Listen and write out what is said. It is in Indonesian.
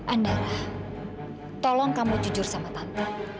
andara tolong kamu jujur sama tante